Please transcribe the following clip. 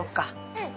うん。